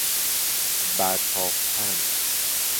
برتافتن